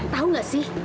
tahu gak sih